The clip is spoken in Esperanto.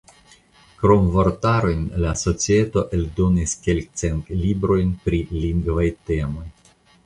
Krom vortarojn la societo eldonis kelkcent librojn pri lingvaj temoj.